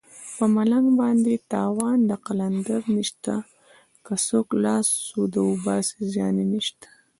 په ملنګ باندې تاوان د قلنګ نشته که څوک لاس سوده وباسي زیان نشته